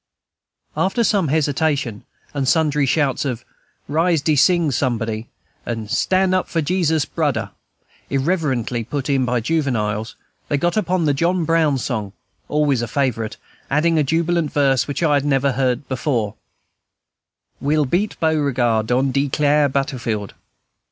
After some hesitation and sundry shouts of "Rise de sing, somebody," and "Stan' up for Jesus, brud der," irreverently put in by the juveniles, they got upon the John Brown song, always a favorite, adding a jubilant verse which I had never before heard, "We'll beat Beauregard on de clare battlefield."